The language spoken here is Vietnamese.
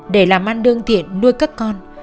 để làm ăn đương thiện nuôi các con